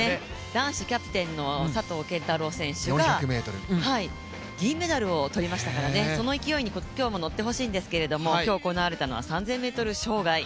男子キャプテンの佐藤拳太郎選手が銀メダルを取りましたからその勢いに今日も乗ってほしいんですけれども、今日行われたのは３０００ｍ障害。